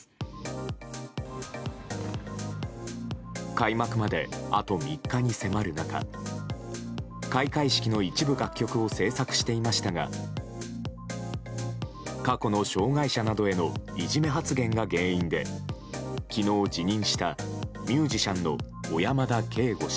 開幕まであと３日に迫る中開会式の一部楽曲を制作していましたが過去の障害者などへのいじめ発言が原因で昨日、辞任したミュージシャンの小山田圭吾氏。